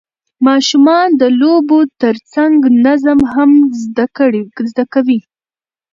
ماشومان د لوبو ترڅنګ نظم هم زده کوي